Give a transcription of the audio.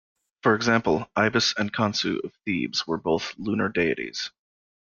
For example, Ibis and Chonsu of Thebes were both lunar deities.